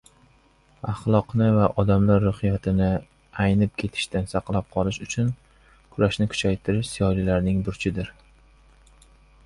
Axloqni va odamlar ruhiyatini aynab ketishdan saqlab qolish uchun kurashni kuchaytirish ziyolilarning burchidir.